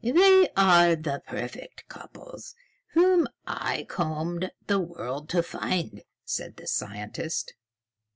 "They are the perfect couples whom I combed the world to find," said the scientist.